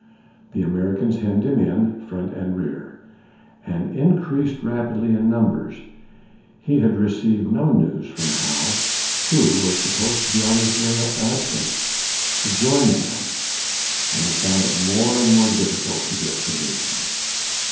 The Americans hemmed him in, front and rear, and increased rapidly in numbers; he had received no news from Howe, who was supposed to be on his way up the Hudson to join him; and he found it more and more difficult to get provisions.